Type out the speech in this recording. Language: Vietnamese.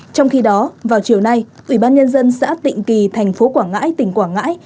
trong khi đó vào chiều nay ủy ban nhân dân xã tịnh kỳ thành phố quảng ngãi tỉnh quảng ngãi